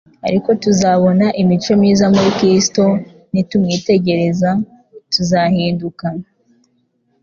Ariko tuzabona imico myiza muri Kristo; nitumwitegereza tuzahinduka.